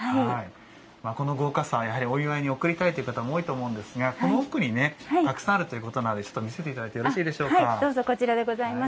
この豪華さ、やはりお祝いに贈りたいという方もいらっしゃると思うんですがこの奥にたくさんあるということなので見せていただいてよろしいでしょうか。